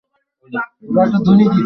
এখানে ঘুরে বেড়ান, সেখানেও তাই।